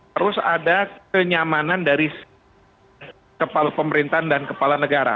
harus ada kenyamanan dari kepala pemerintahan dan kepala negara